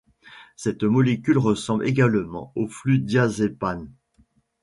Cette molécule ressemble également au fludiazépam.